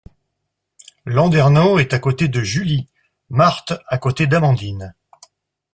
Landernau est à côté de Julie, Marthe à côté d’Amandine.